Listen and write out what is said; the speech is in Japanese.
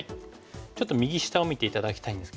ちょっと右下を見て頂きたいんですけども。